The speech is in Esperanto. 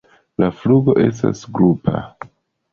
La flugo estas grupa.